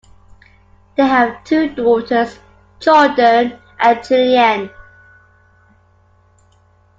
They have two daughters, Jordan and Julianne.